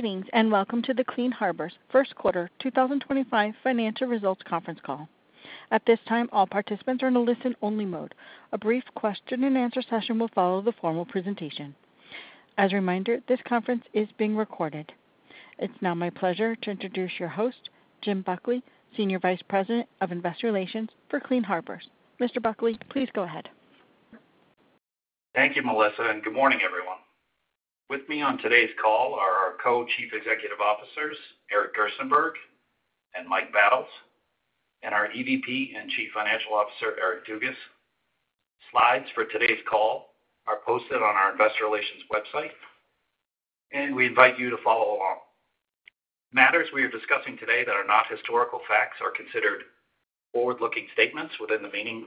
Greetings and welcome to the Clean Harbors First Quarter 2025 Financial Results Conference Call. At this time, all participants are in a listen-only mode. A brief question-and-answer session will follow the formal presentation. As a reminder, this conference is being recorded. It's now my pleasure to introduce your host, Jim Buckley, Senior Vice President of Investor Relations for Clean Harbors. Mr. Buckley, please go ahead. Thank you, Melissa, and good morning, everyone. With me on today's call are our Co-Chief Executive Officers, Eric Gerstenberg and Mike Battles, and our EVP and Chief Financial Officer, Eric Dugas. Slides for today's call are posted on our investor relations website, and we invite you to follow along. Matters we are discussing today that are not historical facts are considered forward-looking statements within the meaning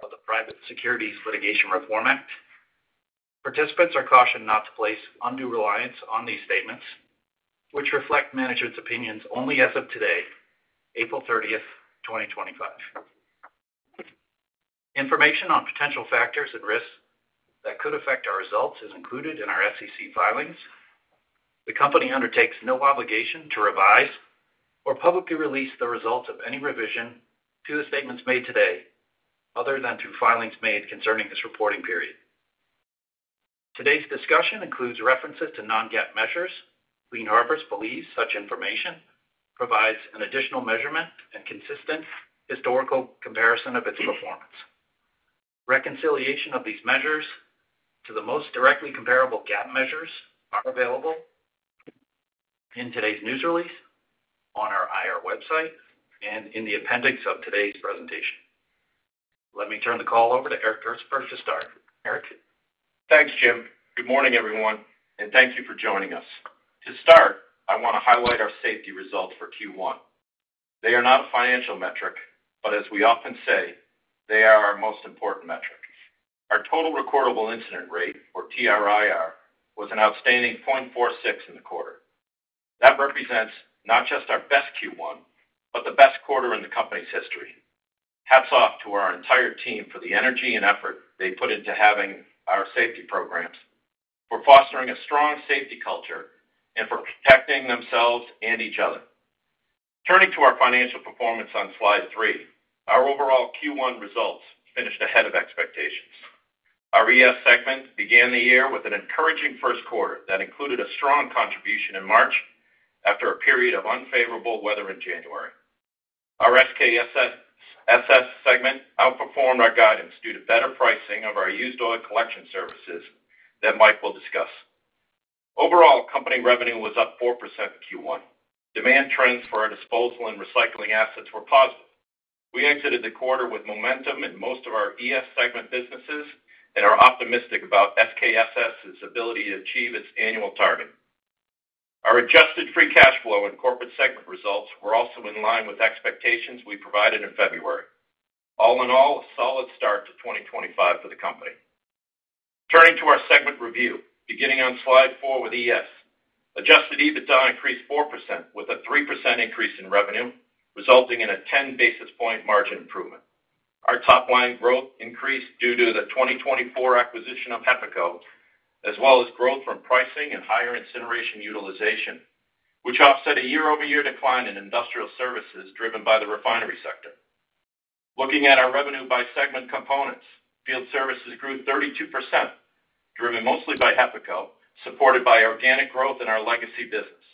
of the Private Securities Litigation Reform Act. Participants are cautioned not to place undue reliance on these statements, which reflect management's opinions only as of today, April 30, 2025. Information on potential factors and risks that could affect our results is included in our SEC filings. The company undertakes no obligation to revise or publicly release the results of any revision to the statements made today other than through filings made concerning this reporting period. Today's discussion includes references to non-GAAP measures. Clean Harbors believes such information provides an additional measurement and consistent historical comparison of its performance. Reconciliation of these measures to the most directly comparable GAAP measures is available in today's news release on our IR website and in the appendix of today's presentation. Let me turn the call over to Eric Gerstenberg to start. Eric? Thanks, Jim. Good morning, everyone, and thank you for joining us. To start, I want to highlight our safety results for Q1. They are not a financial metric, but as we often say, they are our most important metric. Our total recordable incident rate, or TRIR, was an outstanding 0.46 in the quarter. That represents not just our best Q1, but the best quarter in the company's history. Hats off to our entire team for the energy and effort they put into having our safety programs, for fostering a strong safety culture, and for protecting themselves and each other. Turning to our financial performance on slide three, our overall Q1 results finished ahead of expectations. Our ES segment began the year with an encouraging first quarter that included a strong contribution in March after a period of unfavorable weather in January. Our SKSS segment outperformed our guidance due to better pricing of our used oil collection services that Mike will discuss. Overall, company revenue was up 4% in Q1. Demand trends for our disposal and recycling assets were positive. We exited the quarter with momentum in most of our ES segment businesses and are optimistic about SKSS's ability to achieve its annual target. Our adjusted free cash flow and corporate segment results were also in line with expectations we provided in February. All in all, a solid start to 2025 for the company. Turning to our segment review, beginning on slide four with ES, adjusted EBITDA increased 4% with a 3% increase in revenue, resulting in a 10 basis point margin improvement. Our top-line growth increased due to the 2024 acquisition of HEPACO, as well as growth from pricing and higher incineration utilization, which offset a year-over-year decline in industrial services driven by the refinery sector. Looking at our revenue by segment components, Field Services grew 32%, driven mostly by HEPACO, supported by organic growth in our legacy business.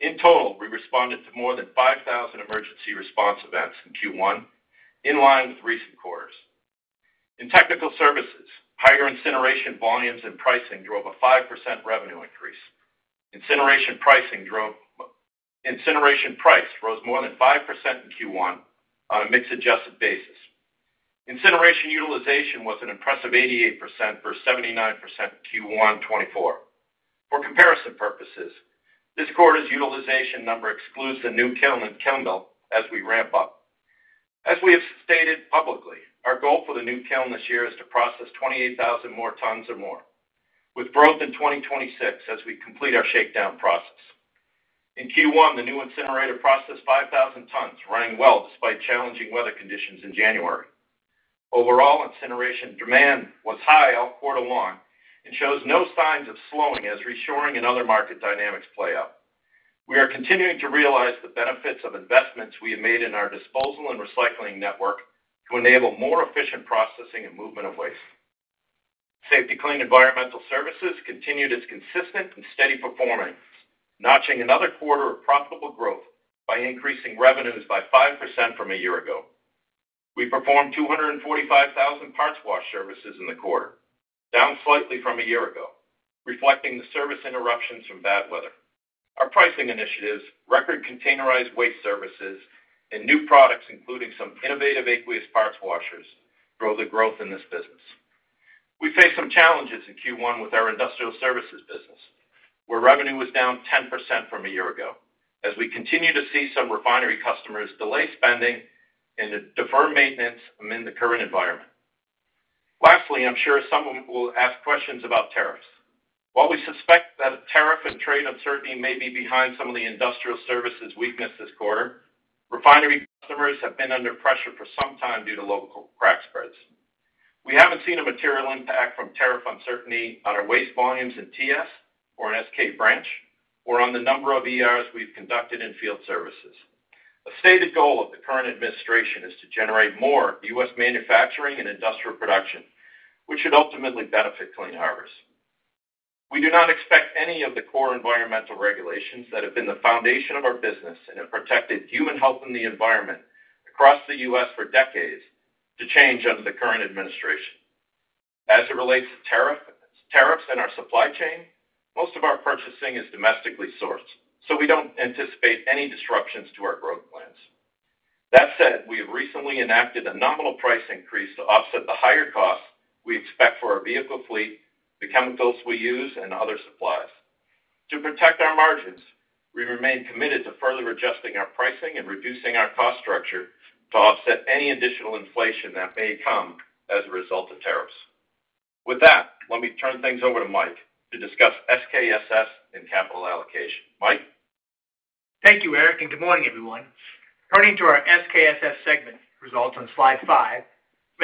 In total, we responded to more than 5,000 emergency response events in Q1, in line with recent quarters. In technical services, higher incineration volumes and pricing drove a 5% revenue increase. Incineration price rose more than 5% in Q1 on a mix-adjusted basis. Incineration utilization was an impressive 88% versus 79% in Q1 2024. For comparison purposes, this quarter's utilization number excludes the new kiln and kiln belt as we ramp up. As we have stated publicly, our goal for the new kiln this year is to process 28,000 more tons or more, with growth in 2026 as we complete our shakedown process. In Q1, the new incinerator processed 5,000 tons, running well despite challenging weather conditions in January. Overall, incineration demand was high all quarter long and shows no signs of slowing as reshoring and other market dynamics play out. We are continuing to realize the benefits of investments we have made in our disposal and recycling network to enable more efficient processing and movement of waste. Safety-Kleen Environmental Services continued its consistent and steady performance, notching another quarter of profitable growth by increasing revenues by 5% from a year ago. We performed 245,000 parts wash services in the quarter, down slightly from a year ago, reflecting the service interruptions from bad weather. Our pricing initiatives, record containerized waste services, and new products, including some innovative aqueous parts washers, drove the growth in this business. We faced some challenges in Q1 with our Industrial Services business, where revenue was down 10% from a year ago, as we continue to see some refinery customers delay spending and defer maintenance amid the current environment. Lastly, I'm sure someone will ask questions about tariffs. While we suspect that tariff and trade uncertainty may be behind some of the industrial services weakness this quarter, refinery customers have been under pressure for some time due to local crack spreads. We haven't seen a material impact from tariff uncertainty on our waste volumes in TS or in SK Branch or on the number of ERs we've conducted in Field Services. A stated goal of the current administration is to generate more U.S. Manufacturing and industrial production, which should ultimately benefit Clean Harbors. We do not expect any of the core environmental regulations that have been the foundation of our business and have protected human health and the environment across the U.S. for decades to change under the current administration. As it relates to tariffs and our supply chain, most of our purchasing is domestically sourced, so we don't anticipate any disruptions to our growth plans. That said, we have recently enacted a nominal price increase to offset the higher costs we expect for our vehicle fleet, the chemicals we use, and other supplies. To protect our margins, we remain committed to further adjusting our pricing and reducing our cost structure to offset any additional inflation that may come as a result of tariffs. With that, let me turn things over to Mike to discuss SKSS and capital allocation. Mike. Thank you, Eric, and good morning, everyone. Turning to our SKSS segment results on slide five,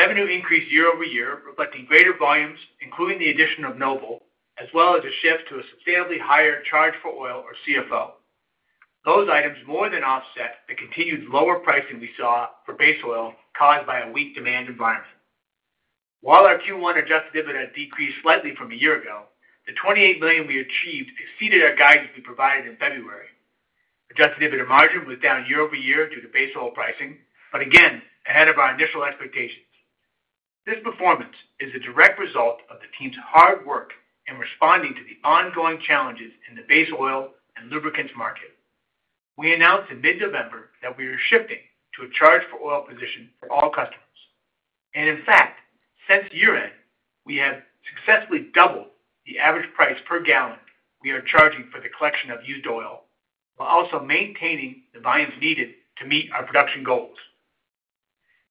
revenue increased year over year, reflecting greater volumes, including the addition of Noble, as well as a shift to a substantially higher charge for oil, or CFO. Those items more than offset the continued lower pricing we saw for base oil caused by a weak demand environment. While our Q1 adjusted EBITDA decreased slightly from a year ago, the $28 million we achieved exceeded our guidance we provided in February. Adjusted EBITDA margin was down year over year due to base oil pricing, but again, ahead of our initial expectations. This performance is a direct result of the team's hard work in responding to the ongoing challenges in the base oil and lubricants market. We announced in mid-November that we are shifting to a charge for oil position for all customers. In fact, since year-end, we have successfully doubled the average price per gallon we are charging for the collection of used oil, while also maintaining the volumes needed to meet our production goals.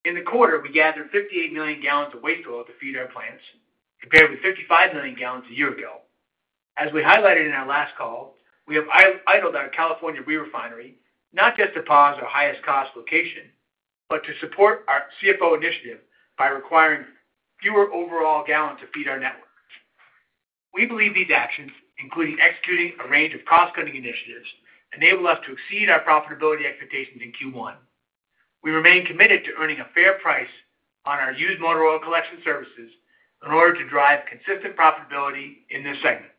In the quarter, we gathered 58 million gallons of waste oil to feed our plants, compared with 55 million gallons a year ago. As we highlighted in our last call, we have idled our California re-refinery, not just to pause our highest-cost location, but to support our CFO initiative by requiring fewer overall gallons to feed our network. We believe these actions, including executing a range of cost-cutting initiatives, enable us to exceed our profitability expectations in Q1. We remain committed to earning a fair price on our used motor oil collection services in order to drive consistent profitability in this segment.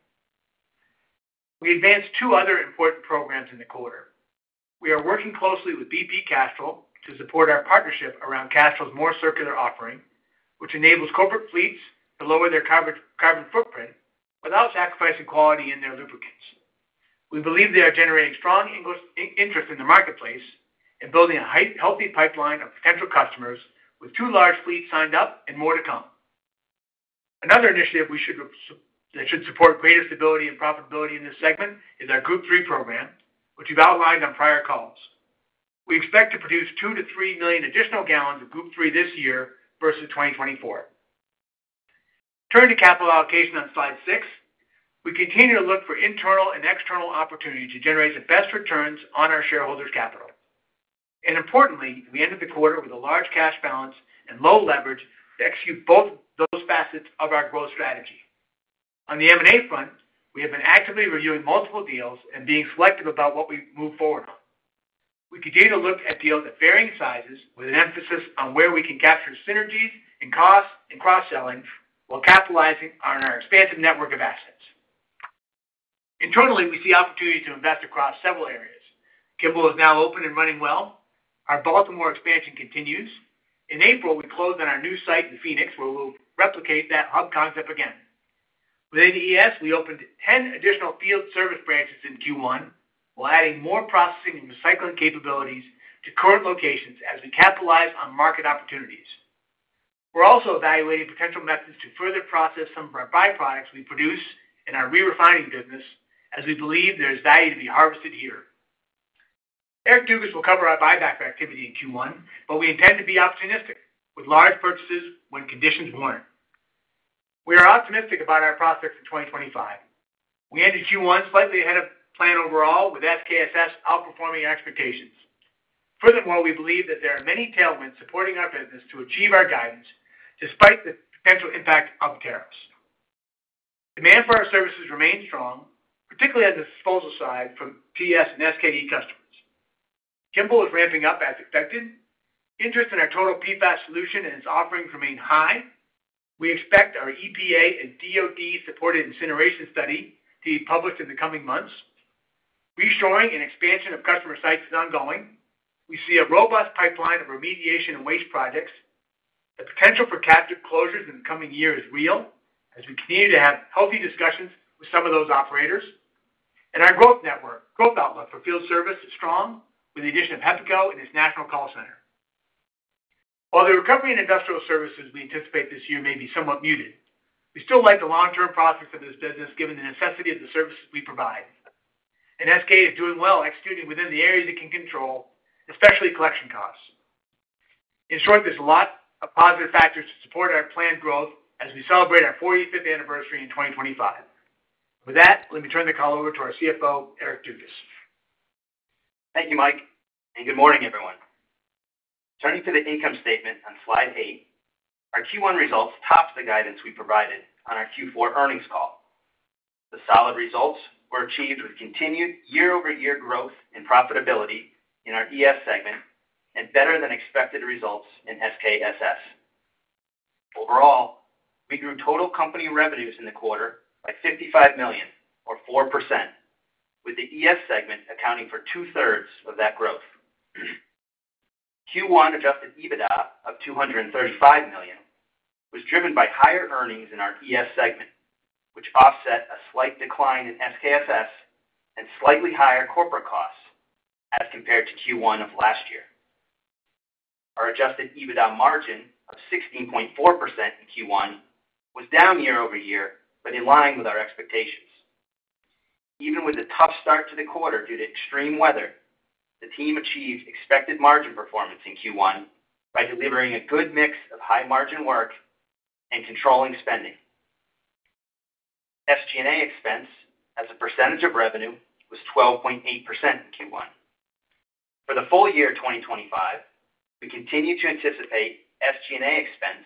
We advanced two other important programs in the quarter. We are working closely with BP Castrol to support our partnership around Castrol's more circular offering, which enables corporate fleets to lower their carbon footprint without sacrificing quality in their lubricants. We believe they are generating strong interest in the marketplace and building a healthy pipeline of potential customers with two large fleets signed up and more to come. Another initiative that should support greater stability and profitability in this segment is our Group 3 program, which we've outlined on prior calls. We expect to produce 2-3 million additional gallons of Group 3 this year versus 2024. Turning to capital allocation on slide six, we continue to look for internal and external opportunities to generate the best returns on our shareholders' capital. Importantly, we ended the quarter with a large cash balance and low leverage to execute both those facets of our growth strategy. On the M&A front, we have been actively reviewing multiple deals and being selective about what we move forward on. We continue to look at deals at varying sizes with an emphasis on where we can capture synergies in costs and cross-selling while capitalizing on our expansive network of assets. Internally, we see opportunities to invest across several areas. Kimball is now open and running well. Our Baltimore expansion continues. In April, we closed on our new site in Phoenix, where we'll replicate that hub concept again. Within ES, we opened 10 additional Field Service branches in Q1 while adding more processing and recycling capabilities to current locations as we capitalize on market opportunities. We're also evaluating potential methods to further process some of our byproducts we produce in our re-refining business as we believe there is value to be harvested here. Eric Dugas will cover our buyback activity in Q1, but we intend to be opportunistic with large purchases when conditions warrant. We are optimistic about our prospects in 2025. We ended Q1 slightly ahead of plan overall, with SKSS outperforming our expectations. Furthermore, we believe that there are many tailwinds supporting our business to achieve our guidance despite the potential impact of tariffs. Demand for our services remains strong, particularly on the disposal side from TS and SKD customers. Kimball is ramping up as expected. Interest in our total PFAS solution and its offerings remain high. We expect our EPA and DOD-supported incineration study to be published in the coming months. Reshoring and expansion of customer sites is ongoing. We see a robust pipeline of remediation and waste projects. The potential for captive closures in the coming year is real as we continue to have healthy discussions with some of those operators. Our growth outlook for field service is strong with the addition of HEPACO and its national call center. While the recovery in industrial services we anticipate this year may be somewhat muted, we still like the long-term prospects of this business given the necessity of the services we provide. SK is doing well, executing within the areas it can control, especially collection costs. In short, there are a lot of positive fact ors to support our planned growth as we celebrate our 45th anniversary in 2025. With that, let me turn the call over to our CFO, Eric Dugas. Thank you, Mike. Good morning, everyone. Turning to the income statement on slide eight, our Q1 results topped the guidance we provided on our Q4 earnings call. The solid results were achieved with continued year-over-year growth in profitability in our ES segment and better-than-expected results in SKSS. Overall, we grew total company revenues in the quarter by $55 million, or 4%, with the ES segment accounting for two-thirds of that growth. Q1 adjusted EBITDA of $235 million was driven by higher earnings in our ES segment, which offset a slight decline in SKSS and slightly higher corporate costs as compared to Q1 of last year. Our adjusted EBITDA margin of 16.4% in Q1 was down year-over-year, but in line with our expectations. Even with a tough start to the quarter due to extreme weather, the team achieved expected margin performance in Q1 by delivering a good mix of high-margin work and controlling spending. SG&A expense as a percentage of revenue was 12.8% in Q1. For the full year 2025, we continue to anticipate SG&A expense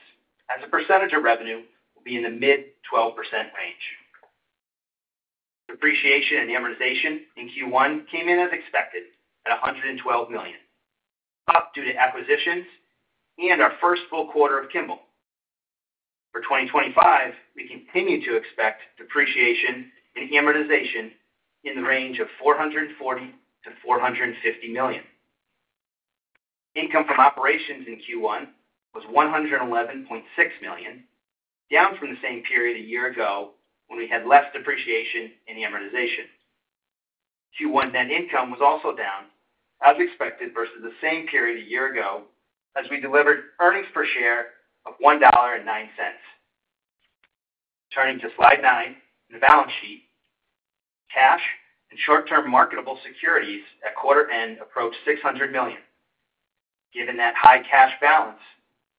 as a percentage of revenue will be in the mid-12% range. Depreciation and amortization in Q1 came in as expected at $112 million, up due to acquisitions and our first full quarter of Kimball. For 2025, we continue to expect depreciation and amortization in the range of $440-$450 million. Income from operations in Q1 was $111.6 million, down from the same period a year ago when we had less depreciation and amortization. Q1 net income was also down, as expected, versus the same period a year ago as we delivered earnings per share of $1.09. Turning to slide nine in the balance sheet, cash and short-term marketable securities at quarter-end approached $600 million. Given that high cash balance,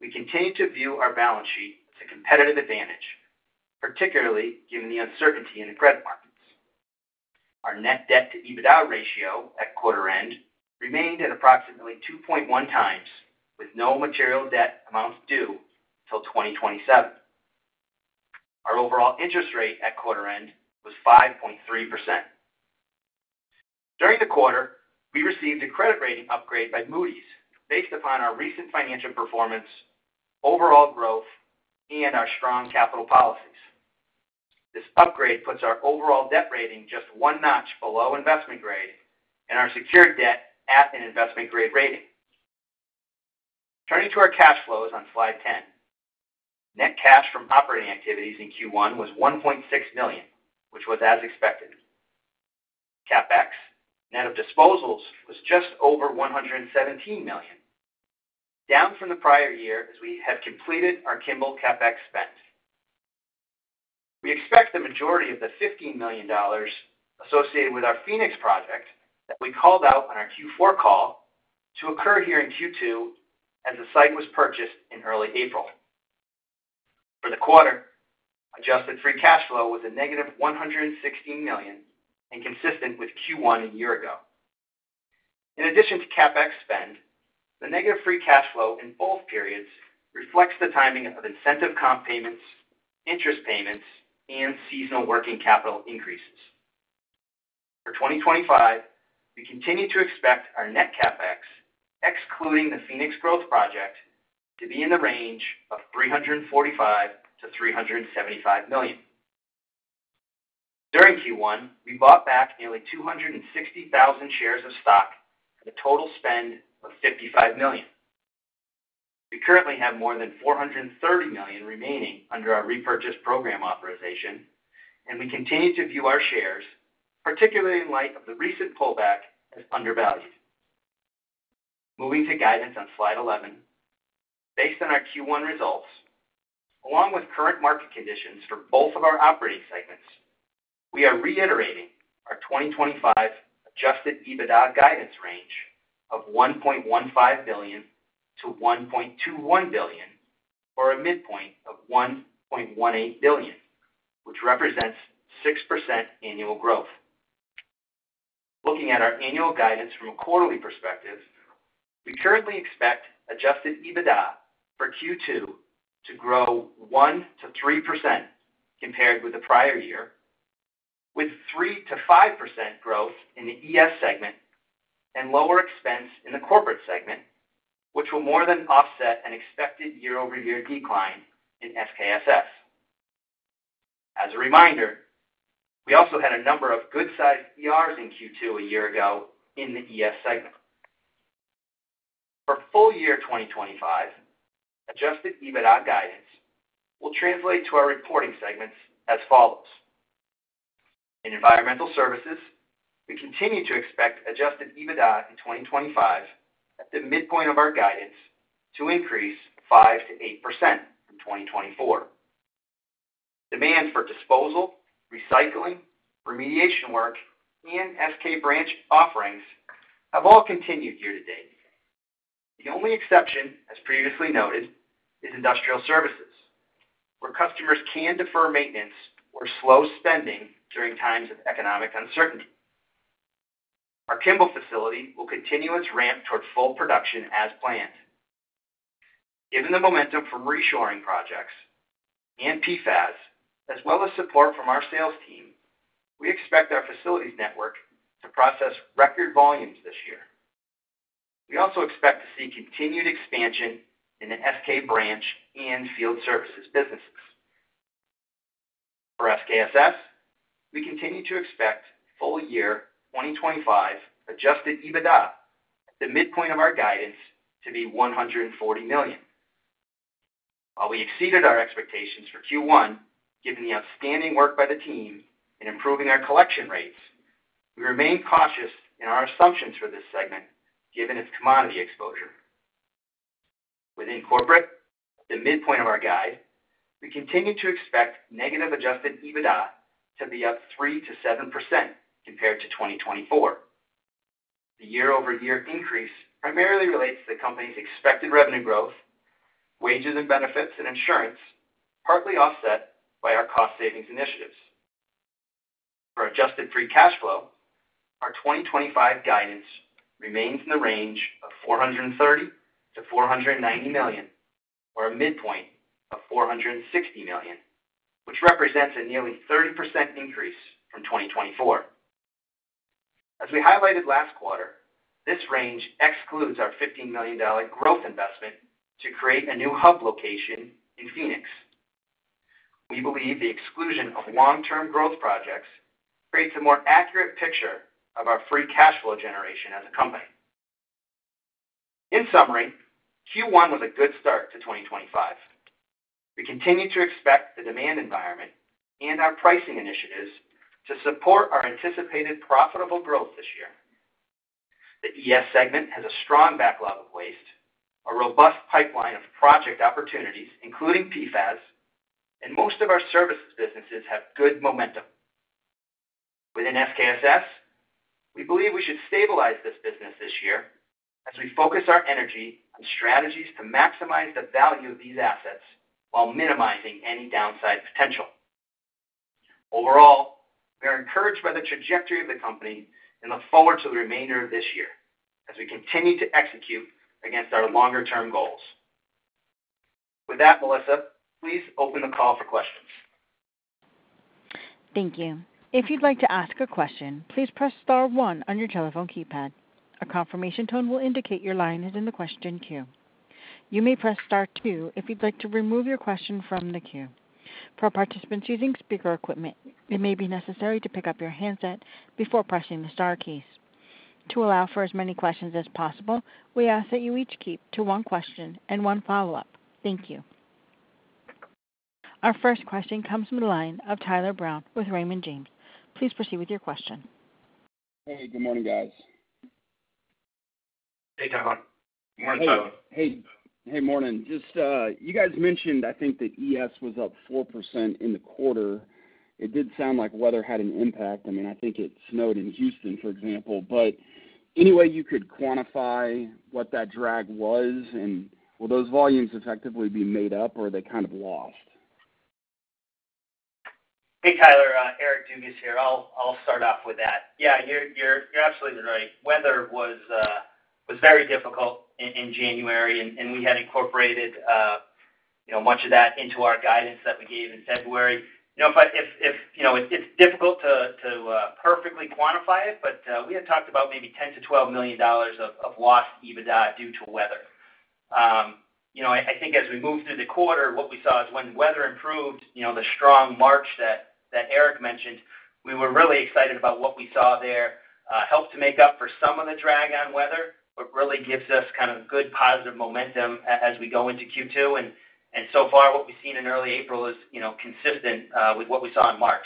we continue to view our balance sheet as a competitive advantage, particularly given the uncertainty in the credit markets. Our net debt-to-EBITDA ratio at quarter-end remained at approximately 2.1 times, with no material debt amounts due till 2027. Our overall interest rate at quarter-end was 5.3%. During the quarter, we received a credit rating upgrade by Moody's based upon our recent financial performance, overall growth, and our strong capital policies. This upgrade puts our overall debt rating just one notch below investment grade and our secured debt at an investment grade rating. Turning to our cash flows on slide 10, net cash from operating activities in Q1 was $1.6 million, which was as expected. Capex, net of disposals, was just over $117 million, down from the prior year as we have completed our Kimball Capex spend. We expect the majority of the $15 million associated with our Phoenix project that we called out on our Q4 call to occur here in Q2 as the site was purchased in early April. For the quarter, adjusted free cash flow was a -$116 million and consistent with Q1 a year ago. In addition to Capex spend, the negative free cash flow in both periods reflects the timing of incentive comp payments, interest payments, and seasonal working capital increases. For 2025, we continue to expect our net Capex, excluding the Phoenix Growth Project, to be in the range of $345 to $375 million. During Q1, we bought back nearly 260,000 shares of stock at a total spend of $55 million. We currently have more than $430 million remaining under our repurchase program authorization, and we continue to view our shares, particularly in light of the recent pullback, as undervalued. Moving to guidance on slide 11, based on our Q1 results, along with current market conditions for both of our operating segments, we are reiterating our 2025 adjusted EBITDA guidance range of $1.15 billion to $1.21 billion for a midpoint of $1.18 billion, which represents 6% annual growth. Looking at our annual guidance from a quarterly perspective, we currently expect adjusted EBITDA for Q2 to grow 1%-3% compared with the prior year, with 3-5% growth in the ES segment and lower expense in the corporate segment, which will more than offset an expected year-over-year decline in SKSS. As a reminder, we also had a number of good-sized ERs in Q2 a year ago in the ES segment. For full year 2025, adjusted EBITDA guidance will translate to our reporting segments as follows. In Environmental Eervices, we continue to expect adjusted EBITDA in 2025 at the midpoint of our guidance to increase 5-8% from 2024. Demand for disposal, recycling, remediation work, and SK branch offerings have all continued year to date. The only exception, as previously noted, is industrial services, where customers can defer maintenance or slow spending during times of economic uncertainty. Our Kimball facility will continue its ramp toward full production as planned. Given the momentum from reshoring projects and PFAS, as well as support from our sales team, we expect our facilities network to process record volumes this year. We also expect to see continued expansion in the SK branch and Field Services businesses. For SKSS, we continue to expect full year 2025 adjusted EBITDA at the midpoint of our guidance to be $140 million. While we exceeded our expectations for Q1, given the outstanding work by the team in improving our collection rates, we remain cautious in our assumptions for this segment given its commodity exposure. Within corporate, at the midpoint of our guide, we continue to expect negative adjusted EBITDA to be up 3%-7% compared to 2024. The year-over-year increase primarily relates to the company's expected revenue growth, wages and benefits, and insurance, partly offset by our cost savings initiatives. For adjusted free cash flow, our 2025 guidance remains in the range of $430 million to $490 million, or a midpoint of $460 million, which represents a nearly 30% increase from 2024. As we highlighted last quarter, this range excludes our $15 million growth investment to create a new hub location in Phoenix. We believe the exclusion of long-term growth projects creates a more accurate picture of our free cash flow generation as a company. In summary, Q1 was a good start to 2025. We continue to expect the demand environment and our pricing initiatives to support our anticipated profitable growth this year. The ES segment has a strong backlog of waste, a robust pipeline of project opportunities, including PFAS, and most of our services businesses have good momentum. Within SKSS, we believe we should stabilize this business this year as we focus our energy on strategies to maximize the value of these assets while minimizing any downside potential. Overall, we are encouraged by the trajectory of the company and look forward to the remainder of this year as we continue to execute against our longer-term goals. With that, Melissa, please open the call for questions. Thank you. If you'd like to ask a question, please press Star 1 on your telephone keypad. A confirmation tone will indicate your line is in the question queue. You may press Star 2 if you'd like to remove your question from the queue. For participants using speaker equipment, it may be necessary to pick up your handset before pressing the star keys. To allow for as many questions as possible, we ask that you each keep to one question and one follow-up. Thank you. Our first question comes from the line of Tyler Brown with Raymond James. Please proceed with your question. Hey, good morning, guys. Hey, Tyler. Morning, Tyler. Hey. Hey, morning. Just, you guys mentioned, I think, that ES was up 4% in the quarter. It did sound like weather had an impact. I mean, I think it snowed in Houston, for example. Any way you could quantify what that drag was? Will those volumes effectively be made up, or are they kind of lost? Hey, Tyler, Eric Dugas here. I'll start off with that. Yeah, you're absolutely right. Weather was very difficult in January, and we had incorporated, you know, much of that into our guidance that we gave in February. You know, if I, if, you know, it's difficult to perfectly quantify it, but we had talked about maybe $10 million to $12 million of lost EBITDA due to weather. You know, I think as we moved through the quarter, what we saw is when weather improved, you know, the strong March that Eric mentioned, we were really excited about what we saw there, helped to make up for some of the drag on weather, but really gives us kind of good positive momentum as we go into Q2. What we've seen in early April is, you know, consistent with what we saw in March.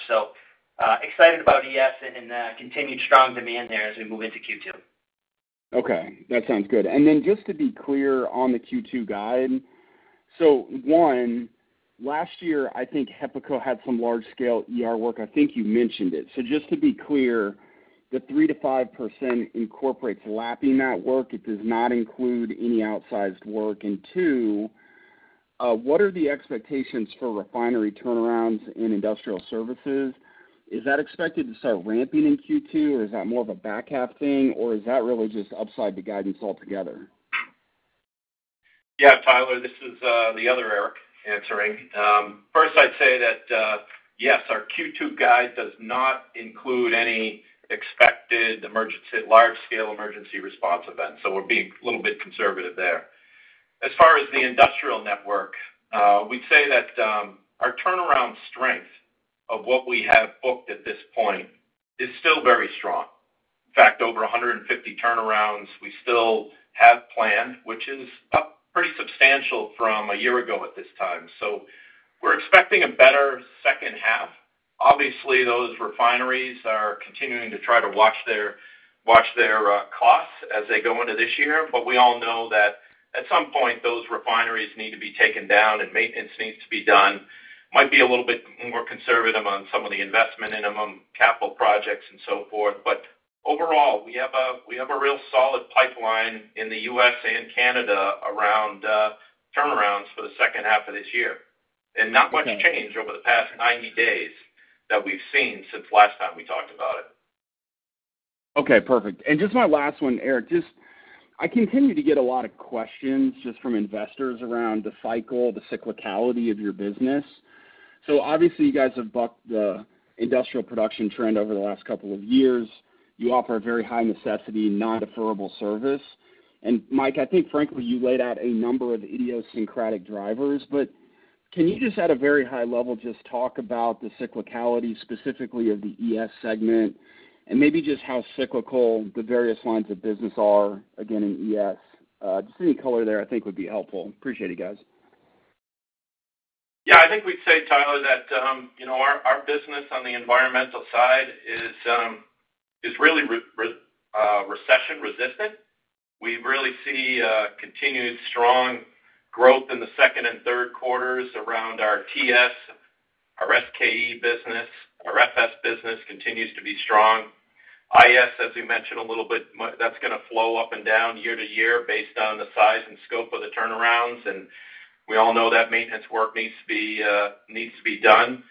Excited about ES and continued strong demand there as we move into Q2. Okay. That sounds good. Just to be clear on the Q2 guide, one, last year, I think HEPACO had some large-scale work. I think you mentioned it. Just to be clear, the 3-5% incorporates lapping that work. It does not include any outsized work. Two, what are the expectations for refinery turnarounds and industrial services? Is that expected to start ramping in Q2, or is that more of a back half thing, or is that really just upside to the guidance altogether? Yeah, Tyler, this is the other Eric answering. First, I'd say that, yes, our Q2 guide does not include any expected emergency large-scale emergency response events. We are being a little bit conservative there. As far as the industrial network, we'd say that our turnaround strength of what we have booked at this point is still very strong. In fact, over 150 turnarounds we still have planned, which is pretty substantial from a year ago at this time. We are expecting a better second half. Obviously, those refineries are continuing to try to watch their costs as they go into this year. We all know that at some point, those refineries need to be taken down and maintenance needs to be done. Might be a little bit more conservative on some of the investment and among capital projects and so forth. Overall, we have a real solid pipeline in the U.S. and Canada around turnarounds for the second half of this year. Not much change over the past 90 days that we've seen since last time we talked about it. Okay. Perfect. Just my last one, Eric, I continue to get a lot of questions from investors around the cycle, the cyclicality of your business. Obviously, you guys have bucked the industrial production trend over the last couple of years. You offer a very high necessity, non-deferable service. Mike, I think, frankly, you laid out a number of idiosyncratic drivers. Can you, at a very high level, talk about the cyclicality specifically of the ES segment and maybe how cyclical the various lines of business are, again, in ES? Any color there, I think, would be helpful. Appreciate it, guys. Yeah. I think we'd say, Tyler, that, you know, our business on the environmental side is really recession resistant. We really see continued strong growth in the second and third quarters around our TS, our SKE business, our FS business continues to be strong. IS, as we mentioned a little bit, that's gonna flow up and down year to year based on the size and scope of the turnarounds. We all know that maintenance work needs to be done.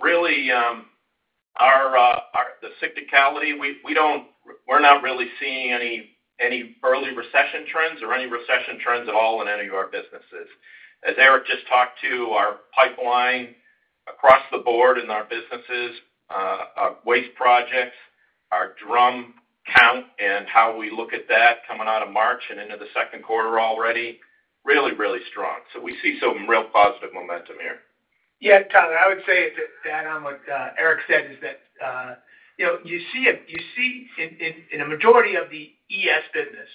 Really, the cyclicality, we're not really seeing any early recession trends or any recession trends at all in any of our businesses. As Eric just talked to, our pipeline across the board in our businesses, our waste projects, our drum count, and how we look at that coming out of March and into the second quarter already, really, really strong. We see some real positive momentum here. Yeah, Tyler, I would say that, that on what Eric said is that, you know, you see a, you see in, in a majority of the ES business,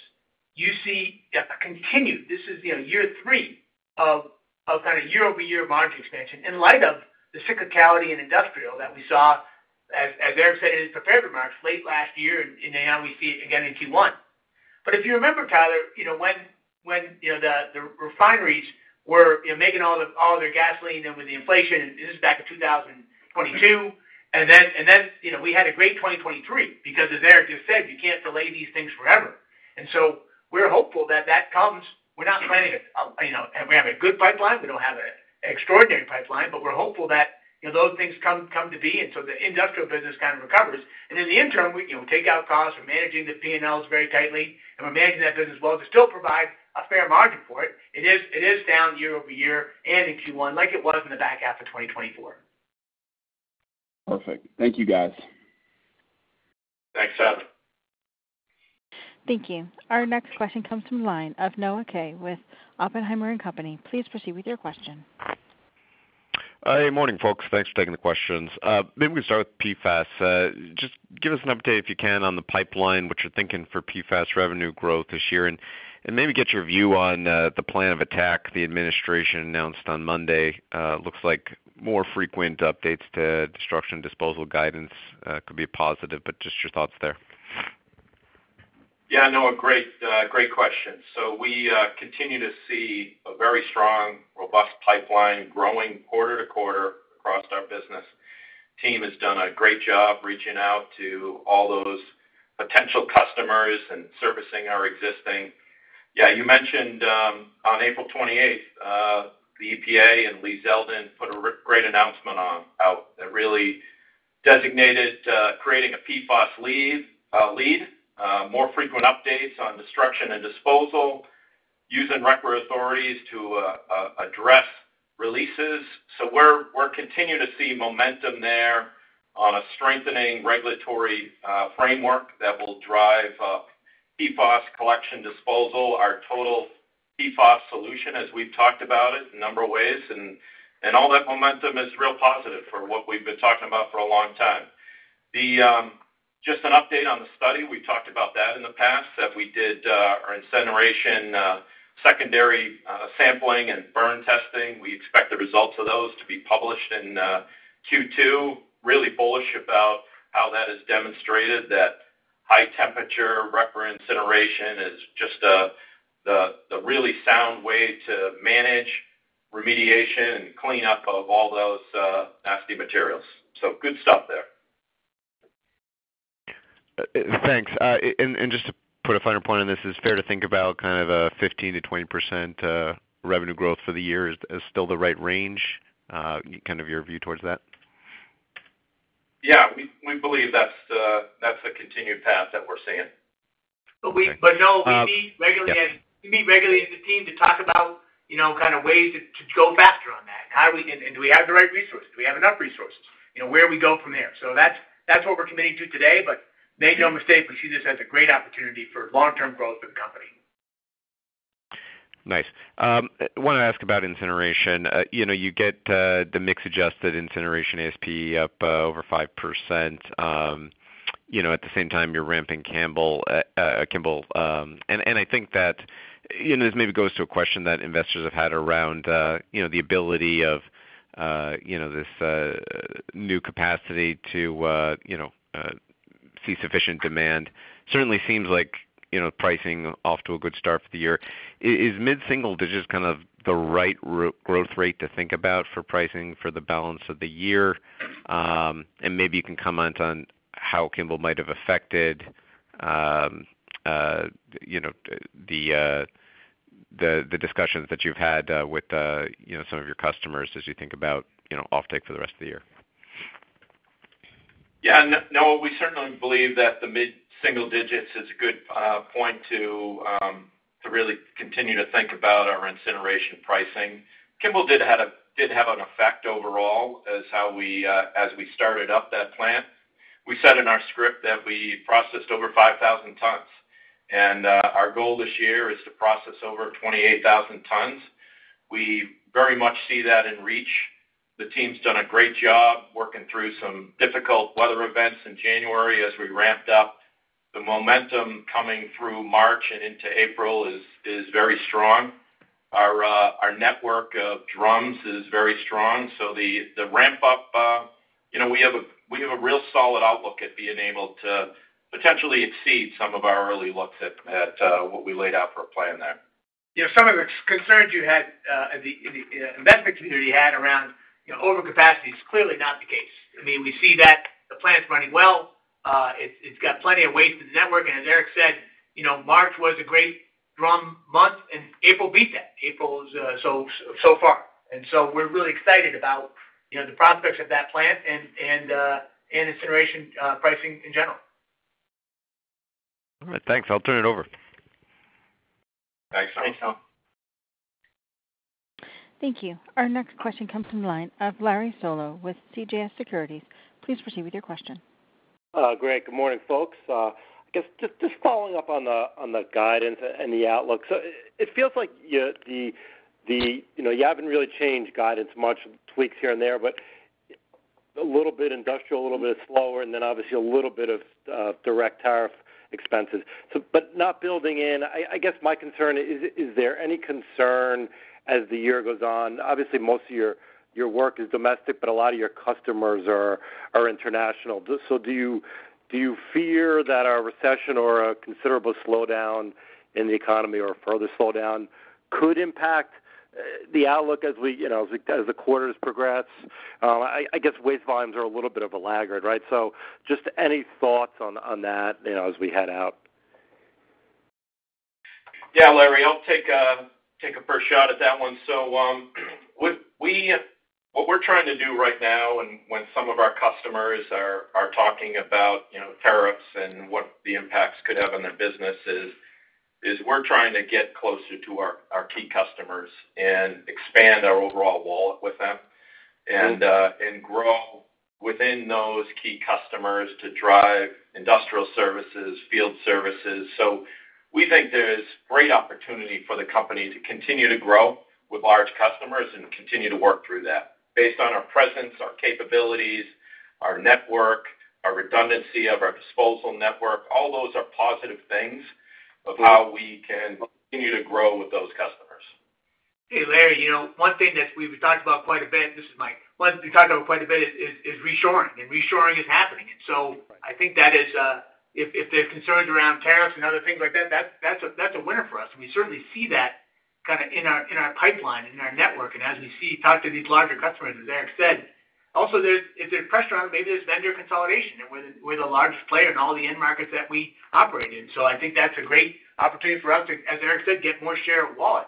you see a continued, this is, you know, year three of, of kind of year-over-year margin expansion in light of the cyclicality in industrial that we saw, as Eric said, in his prepared remarks late last year. You know, now we see it again in Q1. If you remember, Tyler, you know, when, when, you know, the refineries were, you know, making all the, all their gasoline and with the inflation, and this is back in 2022. Then, you know, we had a great 2023 because, as Eric just said, you can't delay these things forever. We are hopeful that that comes. We're not planning a, a, you know, we have a good pipeline. We do not have an extraordinary pipeline, but we are hopeful that, you know, those things come to be. The industrial business kind of recovers. In the interim, we, you know, we take out costs. We are managing the P&Ls very tightly, and we are managing that business well to still provide a fair margin for it. It is down year over year and in Q1 like it was in the back half of 2024. Perfect. Thank you, guys. Thanks, Tyler. Thank you. Our next question comes from the line of Noah Kaye with Oppenheimer & Co. Please proceed with your question. Hey, morning, folks. Thanks for taking the questions. Maybe we can start with PFAS. Just give us an update if you can on the pipeline, what you're thinking for PFAS revenue growth this year, and maybe get your view on the plan of attack the administration announced on Monday. Looks like more frequent updates to destruction disposal guidance could be a positive. Just your thoughts there. Yeah, no, a great, great question. We continue to see a very strong, robust pipeline growing quarter to quarter across our business. Team has done a great job reaching out to all those potential customers and servicing our existing. You mentioned, on April 28th, the EPA and Lee Zeldin put a great announcement out that really designated, creating a PFAS lead, more frequent updates on destruction and disposal, using record authorities to address releases. We are continuing to see momentum there on a strengthening regulatory framework that will drive PFAS collection disposal, our total PFAS solution as we've talked about it in a number of ways. All that momentum is real positive for what we've been talking about for a long time. Just an update on the study. We've talked about that in the past that we did our incineration, secondary sampling and burn testing. We expect the results of those to be published in Q2. Really bullish about how that has demonstrated that high temperature record incineration is just the, the really sound way to manage remediation and cleanup of all those nasty materials. Good stuff there. Thanks. And just to put a finer point on this, is it fair to think about kind of a 15%-20% revenue growth for the year is still the right range? Kind of your view towards that? Yeah. We believe that's a continued path that we're seeing. We meet regularly and we meet regularly as a team to talk about, you know, kind of ways to go faster on that. How do we and do we have the right resources? Do we have enough resources? You know, where do we go from there? That is what we are committing to today. Make no mistake, we see this as a great opportunity for long-term growth for the company. Nice. I wanted to ask about incineration. You know, you get the mix-adjusted incineration ASP up over 5%. You know, at the same time, you're ramping Kimball. I think that, you know, this maybe goes to a question that investors have had around, you know, the ability of, you know, this new capacity to, you know, see sufficient demand. Certainly seems like, you know, pricing off to a good start for the year. Is mid-single digits kind of the right growth rate to think about for pricing for the balance of the year? Maybe you can comment on how Kimball might have affected, you know, the discussions that you've had with, you know, some of your customers as you think about, you know, offtake for the rest of the year. Yeah. No, we certainly believe that the mid-single digits is a good point to really continue to think about our incineration pricing. Kimball did have an effect overall as we started up that plant. We said in our script that we processed over 5,000 tons. And our goal this year is to process over 28,000 tons. We very much see that in reach. The team's done a great job working through some difficult weather events in January as we ramped up. The momentum coming through March and into April is very strong. Our network of drums is very strong. The ramp-up, you know, we have a real solid outlook at being able to potentially exceed some of our early looks at what we laid out for our plan there. You know, some of the concerns you had, the investment community had around, you know, overcapacity is clearly not the case. I mean, we see that the plant's running well. It's got plenty of waste in the network. And as Eric said, you know, March was a great drum month, and April beat that. April's, so far. We are really excited about, you know, the prospects of that plant and incineration, pricing in general. All right. Thanks. I'll turn it over. Thanks, Tom. Thanks, Tom. Thank you. Our next question comes from the line of Larry Solow with CJS Securities. Please proceed with your question. Great. Good morning, folks. I guess just, just following up on the, on the guidance and the outlook. It feels like you, you know, you haven't really changed guidance, much tweaks here and there, but a little bit industrial, a little bit slower, and then obviously a little bit of direct tariff expenses. Not building in, I guess my concern is, is there any concern as the year goes on? Obviously, most of your work is domestic, but a lot of your customers are international. Do you, do you fear that a recession or a considerable slowdown in the economy or a further slowdown could impact the outlook as we, you know, as we, as the quarters progress? I guess waste volumes are a little bit of a laggard, right? Just any thoughts on, on that, you know, as we head out? Yeah, Larry, I'll take a first shot at that one. We, what we're trying to do right now when some of our customers are talking about, you know, tariffs and what the impacts could have on their business is we're trying to get closer to our key customers and expand our overall wallet with them and grow within those key customers to drive Industrial Services, Field Services. We think there's great opportunity for the company to continue to grow with large customers and continue to work through that based on our presence, our capabilities, our network, our redundancy of our disposal network. All those are positive things of how we can continue to grow with those customers. Hey, Larry, you know, one thing that we've talked about quite a bit, this is Mike, one we talked about quite a bit is reshoring. And reshoring is happening. I think that is, if there's concerns around tariffs and other things like that, that's a winner for us. We certainly see that kind of in our pipeline and in our network. As we talk to these larger customers, as Eric said, also if there's pressure on, maybe there's vendor consolidation and we're the largest player in all the end markets that we operate in. I think that's a great opportunity for us to, as Eric said, get more share of wallet.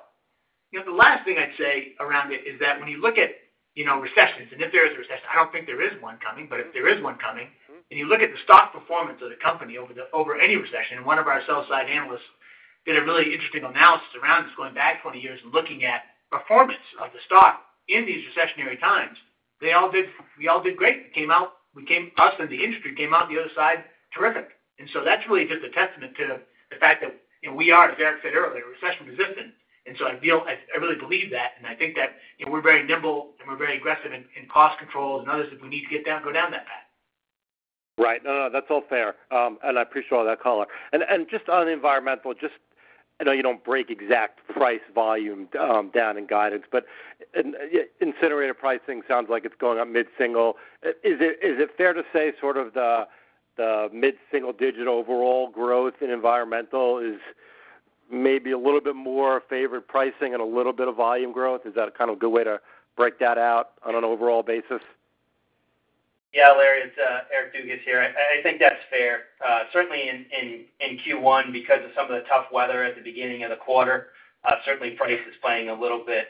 You know, the last thing I'd say around it is that when you look at, you know, recessions, and if there is a recession, I don't think there is one coming. If there is one coming, and you look at the stock performance of the company over any recession, and one of our sell-side analysts did a really interesting analysis around this going back 20 years and looking at performance of the stock in these recessionary times, they all did, we all did great. We came out, we came, us and the industry came out the other side terrific. That is really just a testament to the fact that, you know, we are, as Eric said earlier, recession resistant. I feel I really believe that. I think that, you know, we're very nimble and we're very aggressive in cost controls and others if we need to go down that path. Right. No, no, that's all fair. I appreciate all that color. Just on environmental, I know you don't break exact price volume down in guidance, but incinerator pricing sounds like it's going up mid-single. Is it fair to say sort of the mid-single digit overall growth in environmental is maybe a little bit more favored pricing and a little bit of volume growth? Is that a kind of a good way to break that out on an overall basis? Yeah, Larry, it's Eric Dugas here. I think that's fair. Certainly in Q1 because of some of the tough weather at the beginning of the quarter, certainly price is playing a little bit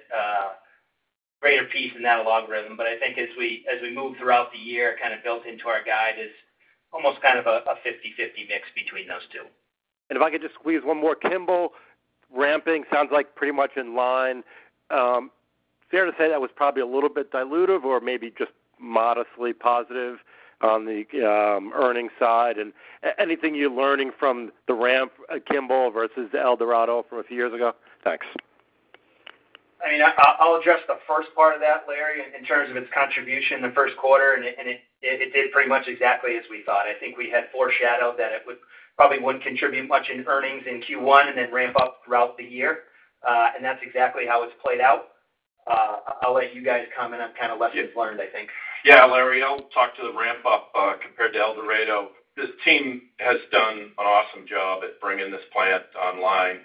greater piece in that logarithm. I think as we move throughout the year, kind of built into our guide is almost kind of a 50/50 mix between those two. If I could just squeeze one more, Kimball ramping sounds like pretty much in line. Fair to say that was probably a little bit dilutive or maybe just modestly positive on the earnings side? Anything you're learning from the ramp, Kimball versus El Dorado from a few years ago? Thanks. I mean, I'll address the first part of that, Larry, in terms of its contribution in the first quarter. And it did pretty much exactly as we thought. I think we had foreshadowed that it probably wouldn't contribute much in earnings in Q1 and then ramp up throughout the year. That's exactly how it's played out. I'll let you guys comment. Kind of lessons learned, I think. Yeah, Larry, I'll talk to the ramp-up, compared to El Dorado. This team has done an awesome job at bringing this plant online.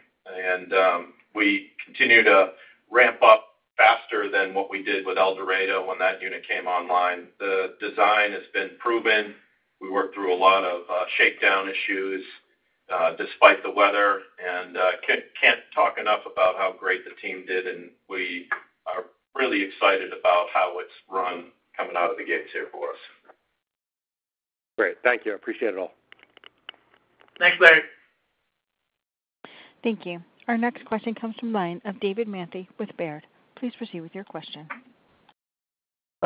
We continue to ramp up faster than what we did with El Dorado when that unit came online. The design has been proven. We worked through a lot of shakedown issues, despite the weather. I can't talk enough about how great the team did. We are really excited about how it's run coming out of the gates here for us. Great. Thank you. I appreciate it all. Thanks, Larry. Thank you. Our next question comes from the line of David Manthey with Baird. Please proceed with your question.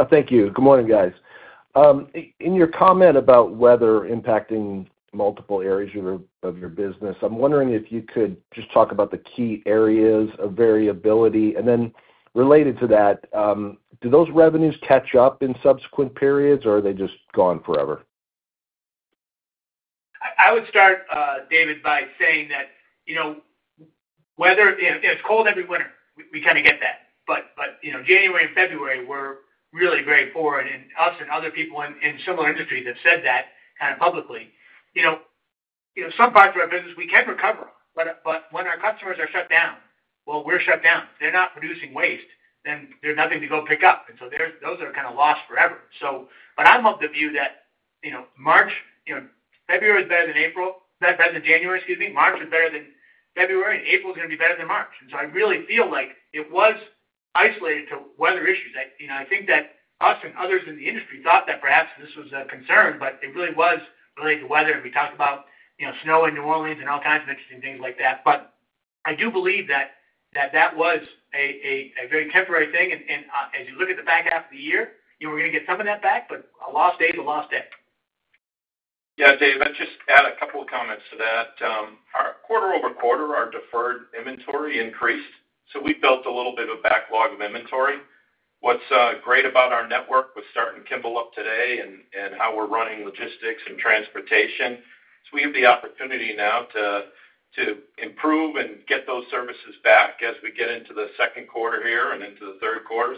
Thank you. Good morning, guys. In your comment about weather impacting multiple areas of your business, I'm wondering if you could just talk about the key areas of variability. And then related to that, do those revenues catch up in subsequent periods, or are they just gone forever? I would start, David, by saying that, you know, whether it's cold every winter, we kind of get that. But, you know, January and February were really very poor. And us and other people in similar industries have said that kind of publicly. You know, some parts of our business we can recover. But when our customers are shut down, we're shut down. They're not producing waste. Then there's nothing to go pick up. Those are kind of lost forever. I am of the view that, you know, February is better than January, March is better than February, April's gonna be better than March. I really feel like it was isolated to weather issues. I, you know, I think that us and others in the industry thought that perhaps this was a concern, but it really was related to weather. We talked about, you know, snow in New Orleans and all kinds of interesting things like that. I do believe that that was a very temporary thing. As you look at the back half of the year, you know, we're gonna get some of that back. A lost day's a lost day. Yeah, David, I'd just add a couple of comments to that. Our quarter-over-quarter, our deferred inventory increased. We built a little bit of a backlog of inventory. What's great about our network, we're starting Kimball up today and how we're running logistics and transportation. We have the opportunity now to improve and get those services back as we get into the second quarter here and into the third quarter.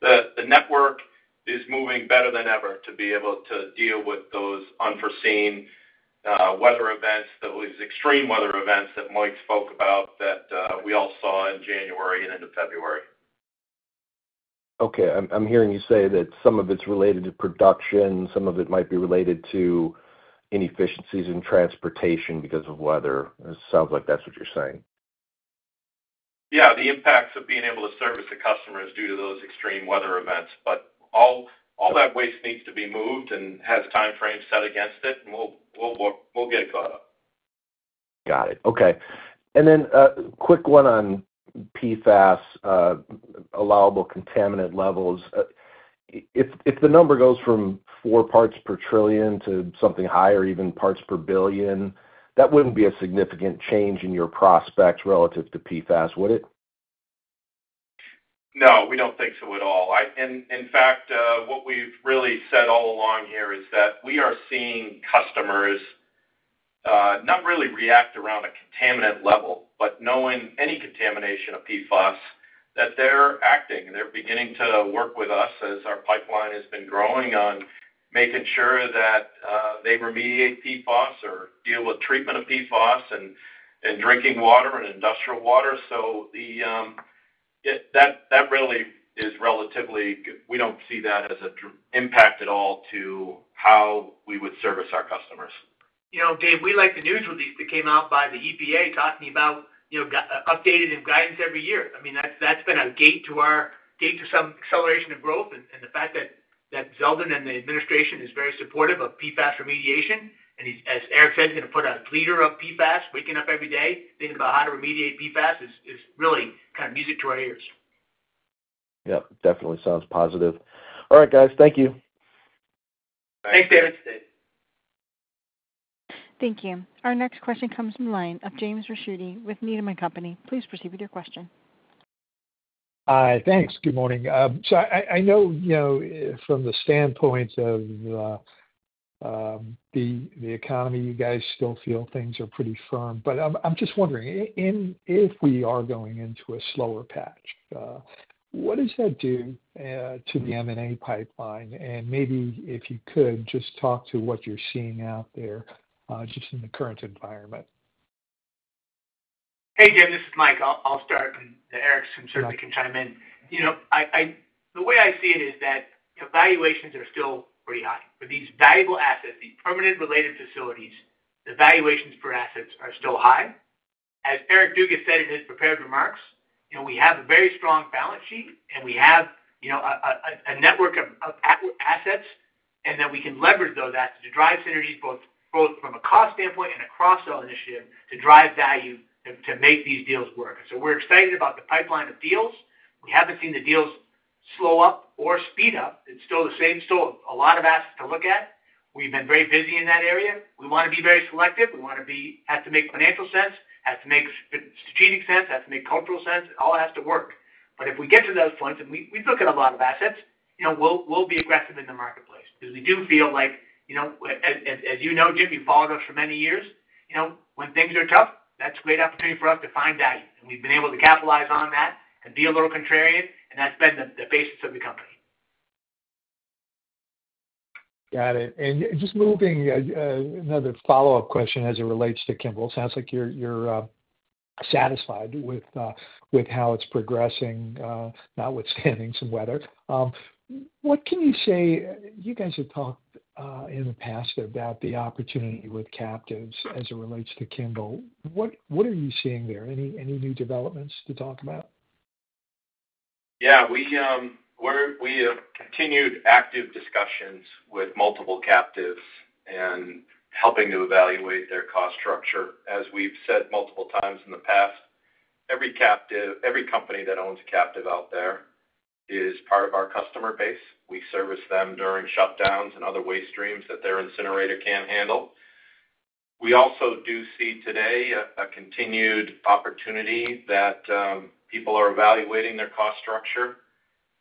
The network is moving better than ever to be able to deal with those unforeseen weather events, those extreme weather events that Mike spoke about that we all saw in January and into February. Okay. I'm hearing you say that some of it's related to production. Some of it might be related to inefficiencies in transportation because of weather. It sounds like that's what you're saying. Yeah, the impacts of being able to service the customers due to those extreme weather events. All that waste needs to be moved and has timeframes set against it. We'll get it caught up. Got it. Okay. And then, quick one on PFAS, allowable contaminant levels. If the number goes from four parts per trillion to something higher, even parts per billion, that wouldn't be a significant change in your prospects relative to PFAS, would it? No, we don't think so at all. In fact, what we've really said all along here is that we are seeing customers not really react around a contaminant level, but knowing any contamination of PFAS, that they're acting. They're beginning to work with us as our pipeline has been growing on making sure that they remediate PFAS or deal with treatment of PFAS and drinking water and industrial water. That really is relatively good. We don't see that as a direct impact at all to how we would service our customers. You know, Dave, we like the news release that came out by the EPA talking about, you know, getting updated in guidance every year. I mean, that's been a gate to our gate to some acceleration of growth. The fact that Zeldin and the administration is very supportive of PFAS remediation, and he's, as Eric said, he's gonna put a leader of PFAS waking up every day thinking about how to remediate PFAS, is really kind of music to our ears. Yep. Definitely sounds positive. All right, guys. Thank you. Thanks, David. Thank you. Our next question comes from the line of James Ricchiuti with Needham & Company. Please proceed with your question. Hi, thanks. Good morning. I know, you know, from the standpoint of the economy, you guys still feel things are pretty firm. I'm just wondering, if we are going into a slower patch, what does that do to the M&A pipeline? Maybe if you could just talk to what you're seeing out there, just in the current environment. Hey, David, this is Mike. I'll start. Eric can certainly chime in. You know, the way I see it is that valuations are still pretty high for these valuable assets, these permanent related facilities. The valuations for assets are still high. As Eric Dugas said in his prepared remarks, you know, we have a very strong balance sheet, and we have a network of assets. We can leverage those assets to drive synergies, both from a cost standpoint and a cross-sell initiative to drive value to make these deals work. We are excited about the pipeline of deals. We have not seen the deals slow up or speed up. It is still the same, still a lot of assets to look at. We have been very busy in that area. We want to be very selective. We want to make financial sense, have to make strategic sense, have to make cultural sense. It all has to work. If we get to those points and we look at a lot of assets, you know, we will be aggressive in the marketplace because we do feel like, you know, as you know, Jim, you have followed us for many years. You know, when things are tough, that is a great opportunity for us to find value. We have been able to capitalize on that and be a little contrarian. That has been the basis of the company. Got it. Just moving, another follow-up question as it relates to Kimball. Sounds like you're satisfied with how it's progressing, notwithstanding some weather. What can you say, you guys have talked in the past about the opportunity with Captives as it relates to Kimball. What are you seeing there? Any new developments to talk about? Yeah, we have continued active discussions with multiple Captives and helping to evaluate their cost structure. As we've said multiple times in the past, every Captive, every company that owns a Captive out there is part of our customer base. We service them during shutdowns and other waste streams that their incinerator can't handle. We also do see today a continued opportunity that people are evaluating their cost structure.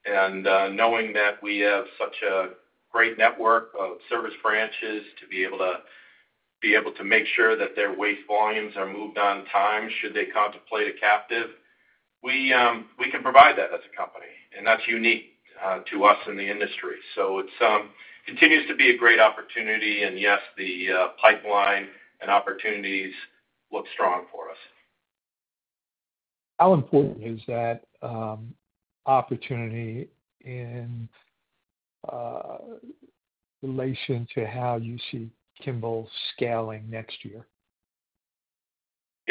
Knowing that we have such a great network of service branches to be able to make sure that their waste volumes are moved on time should they contemplate a Captive, we can provide that as a company. That is unique to us in the industry. It continues to be a great opportunity. Yes, the pipeline and opportunities look strong for us. How important is that opportunity in relation to how you see Kimball scaling next year?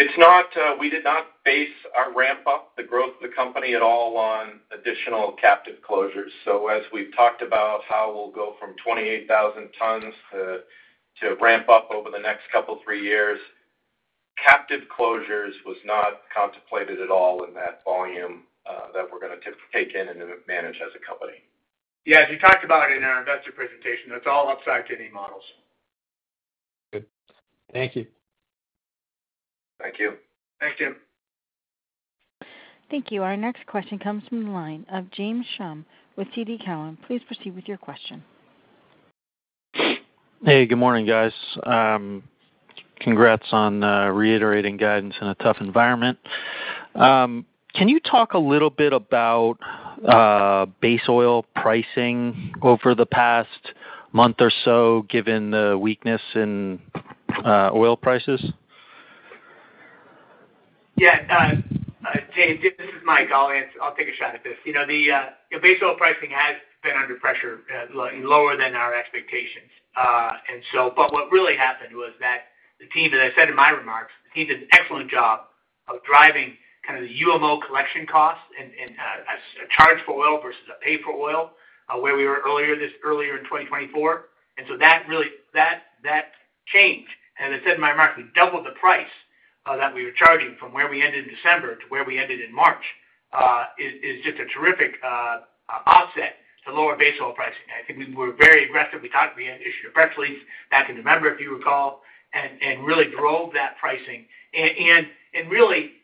It's not, we did not base our ramp-up, the growth of the company at all, on additional Captive closures. As we've talked about how we'll go from 28,000 tons to ramp up over the next couple of three years, Captive closures was not contemplated at all in that volume, that we're gonna take in and manage as a company. Yeah, as you talked about it in our investor presentation, that's all upside to any models. Good. Thank you. Thank you. Thanks, Jim. Thank you. Our next question comes from the line of James Schumm with TD Cowen. Please proceed with your question. Hey, good morning, guys. Congrats on reiterating guidance in a tough environment. Can you talk a little bit about base oil pricing over the past month or so given the weakness in oil prices? Yeah. Dave, this is Mike. I'll answer. I'll take a shot at this. You know, the base oil pricing has been under pressure, lower than our expectations. What really happened was that the team, as I said in my remarks, the team did an excellent job of driving kind of the UMO collection cost and, as a charge for oil versus a pay for oil, where we were earlier in 2024. That change, and as I said in my remarks, we doubled the price that we were charging from where we ended in December to where we ended in March, is just a terrific offset to lower base oil pricing. I think we were very aggressive. We talked, we had issued a press release back in November, if you recall, and really drove that pricing.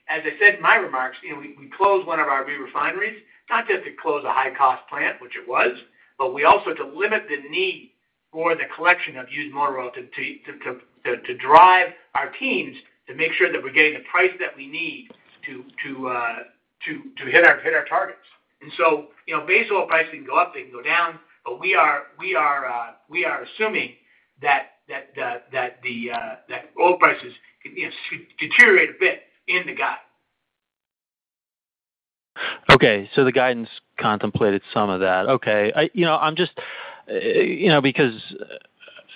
As I said in my remarks, you know, we closed one of our re-refineries, not just to close a high-cost plant, which it was, but also to limit the need for the collection of used motor oil to drive our teams to make sure that we're getting the price that we need to hit our targets. You know, base oil price can go up. It can go down. We are assuming that oil prices can deteriorate a bit in the guide. Okay. The guidance contemplated some of that. Okay. I, you know, I'm just, you know, because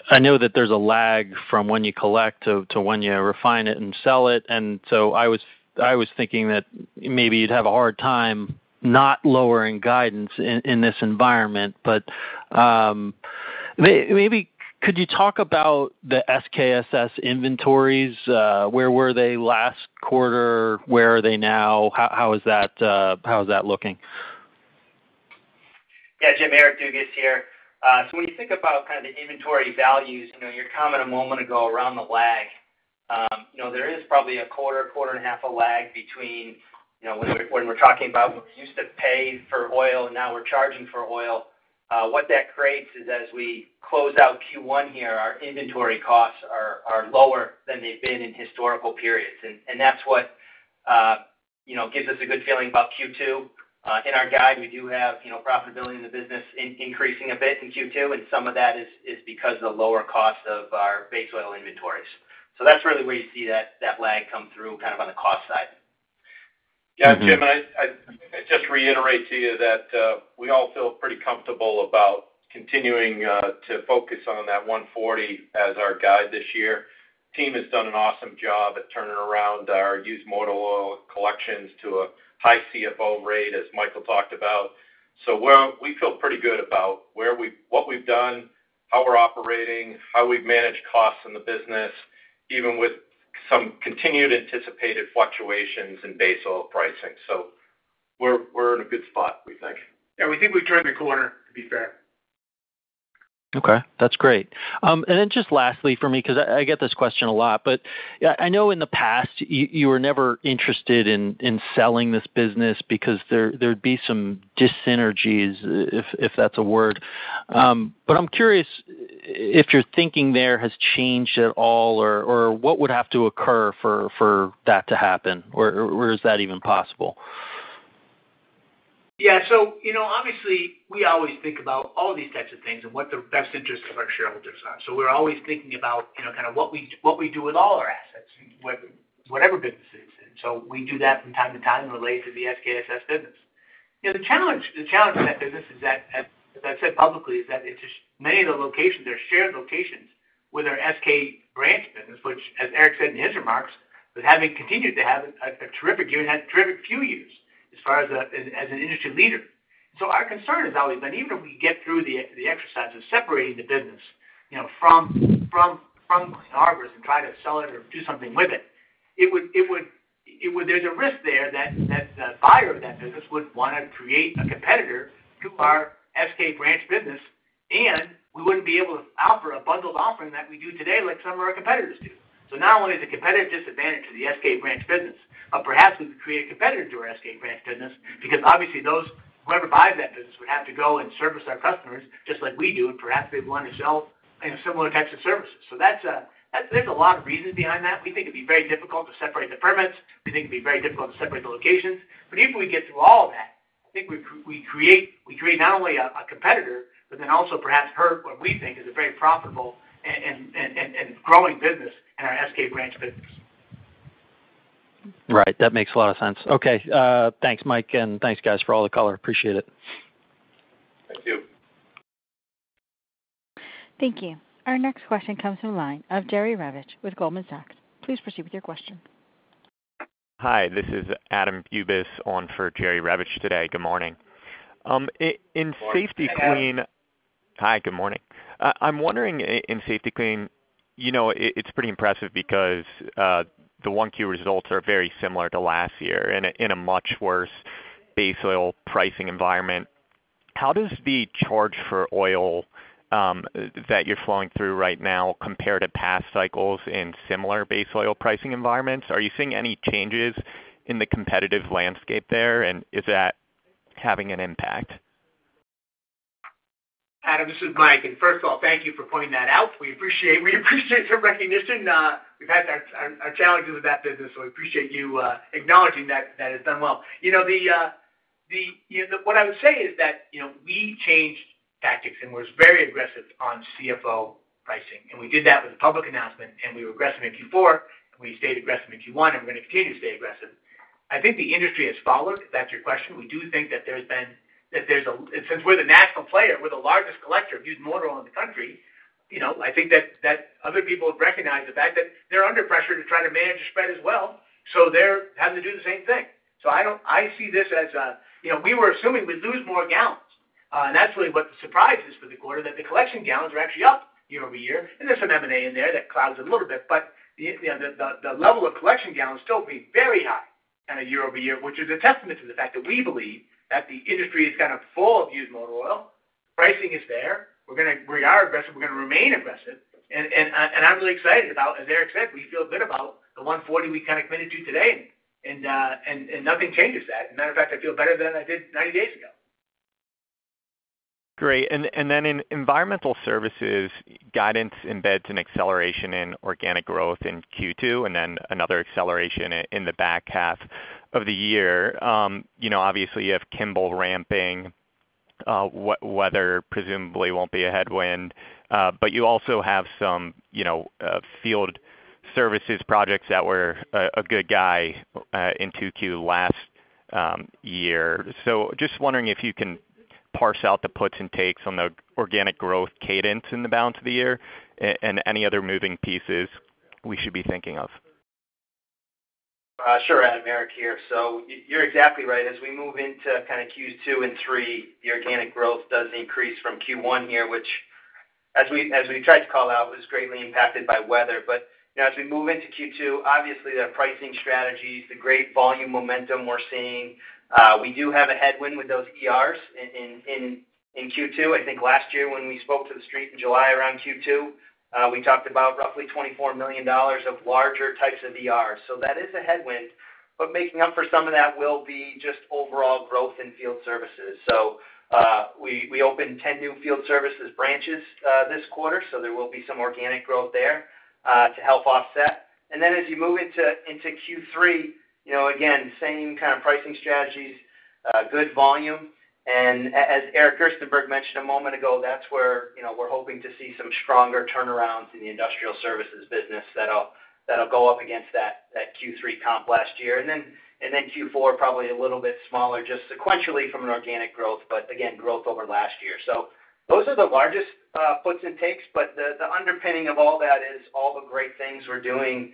I know that there's a lag from when you collect to when you refine it and sell it. I was thinking that maybe you'd have a hard time not lowering guidance in this environment. Maybe could you talk about the SKSS inventories? Where were they last quarter? Where are they now? How is that, how is that looking? Yeah, Jim, Eric Dugas here. When you think about kind of the inventory values, you know, your comment a moment ago around the lag, you know, there is probably a quarter, quarter and a half a lag between, you know, when we're, when we're talking about what we used to pay for oil and now we're charging for oil. What that creates is as we close out Q1 here, our inventory costs are lower than they've been in historical periods. You know, that gives us a good feeling about Q2. In our guide, we do have, you know, profitability in the business increasing a bit in Q2. Some of that is because of the lower cost of our base oil inventories. That is really where you see that lag come through kind of on the cost side. Yeah, Jim, I just reiterate to you that we all feel pretty comfortable about continuing to focus on that 140 as our guide this year. Team has done an awesome job at turning around our used motor oil collections to a high CFO rate, as Michael talked about. We feel pretty good about where we are, what we've done, how we're operating, how we've managed costs in the business, even with some continued anticipated fluctuations in base oil pricing. We're in a good spot, we think. Yeah, we think we've turned the corner, to be fair. Okay. That's great. And then just lastly for me, 'cause I get this question a lot, but, yeah, I know in the past, you were never interested in selling this business because there'd be some dyssynergies, if that's a word. I'm curious if your thinking there has changed at all or what would have to occur for that to happen or is that even possible? Yeah. You know, obviously, we always think about all these types of things and what the best interests of our shareholders are. We are always thinking about, you know, kind of what we do with all our assets, whether, whatever business it is. We do that from time to time related to the SKSS business. The challenge in that business is that, as I said publicly, is that many of the locations are shared locations with our SK branch business, which, as Eric said in his remarks, was having, continued to have a terrific year and had a terrific few years as far as an industry leader. Our concern has always been, even if we get through the exercise of separating the business, you know, from Harbors and try to sell it or do something with it, there is a risk there that the buyer of that business would wanna create a competitor to our SK branch business. We would not be able to offer a bundled offering that we do today like some of our competitors do. Not only is it a competitive disadvantage to the SK branch business, but perhaps we could create a competitor to our SK branch business because obviously whoever buys that business would have to go and service our customers just like we do. Perhaps they would wanna sell, you know, similar types of services. There are a lot of reasons behind that. We think it'd be very difficult to separate the permits. We think it'd be very difficult to separate the locations. Even if we get through all of that, I think we create not only a competitor, but then also perhaps hurt what we think is a very profitable and growing business in our SK branch business. Right. That makes a lot of sense. Okay. Thanks, Mike. And thanks, guys, for all the color. Appreciate it. Thank you. Thank you. Our next question comes from the line of Adam Bubes with Goldman Sachs. Please proceed with your question. Hi, this is Adam Bubes on for Jerry Revich today. Good morning. Hi. Hi. Good morning. I'm wondering, in Safety-Kleen, you know, it's pretty impressive because the 1Q results are very similar to last year in a much worse base oil pricing environment. How does the charge for oil that you're flowing through right now compare to past cycles in similar base oil pricing environments? Are you seeing any changes in the competitive landscape there? Is that having an impact? Adam, this is Mike. First of all, thank you for pointing that out. We appreciate your recognition. We've had our challenges with that business, so we appreciate you acknowledging that that is done well. You know, what I would say is that, you know, we changed tactics and were very aggressive on CFO pricing. We did that with a public announcement. We were aggressive in Q4, and we stayed aggressive in Q1. We're gonna continue to stay aggressive. I think the industry has followed, if that's your question. We do think that there's been, since we're the national player, we're the largest collector of used motor oil in the country, you know, I think that other people have recognized the fact that they're under pressure to try to manage a spread as well. They're having to do the same thing. I see this as a, you know, we were assuming we'd lose more gallons. That's really what the surprise is for the quarter, that the collection gallons are actually up year over year. There's some M&A in there that clouds it a little bit. The level of collection gallons still being very high kind of year over year, which is a testament to the fact that we believe that the industry is kind of full of used motor oil. Pricing is there. We're gonna, we are aggressive. We're gonna remain aggressive. I'm really excited about, as Eric said, we feel good about the 140 we kind of committed to today. Nothing changes that. As a matter of fact, I feel better than I did 90 days ago. Great. And then in Environmental Services, guidance embeds an acceleration in organic growth in Q2 and then another acceleration in the back half of the year. You know, obviously, you have Kimball ramping. Weather presumably won't be a headwind. You also have some, you know, Field Services projects that were a good gu y in 2Q last year. Just wondering if you can parse out the puts and takes on the organic growth cadence in the balance of the year and any other moving pieces we should be thinking of. Sure. Adam, Eric here. You're exactly right. As we move into kind of Q2 and Q3, the organic growth does increase from Q1 here, which, as we tried to call out, was greatly impacted by weather. You know, as we move into Q2, obviously, the pricing strategies, the great volume momentum we're seeing, we do have a headwind with those ERs in Q2. I think last year when we spoke to the street in July around Q2, we talked about roughly $24 million of larger types of ERs. That is a headwind. Making up for some of that will be just overall growth in Field Services. We opened 10 new Field Services branches this quarter. There will be some organic growth there to help offset. As you move into Q3, you know, again, same kind of pricing strategies, good volume. As Eric Gerstenberg mentioned a moment ago, that's where, you know, we're hoping to see some stronger turnarounds in the Industrial Services Business that'll go up against that Q3 comp last year. Q4, probably a little bit smaller just sequentially from an organic growth, but again, growth over last year. Those are the largest puts and takes. The underpinning of all that is all the great things we're doing